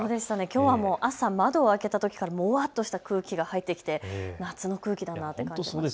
きょう、朝、窓を開けたときからもわっとした空気が入ってきて夏の空気だなって感じました。